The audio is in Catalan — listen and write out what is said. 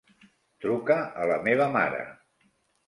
Truca a la meva mare.